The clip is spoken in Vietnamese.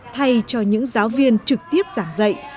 thay cho những giáo viên trực tiếp giảng dạy